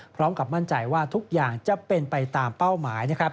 พร้อมกับมั่นใจว่าทุกอย่างจะเป็นไปตามเป้าหมาย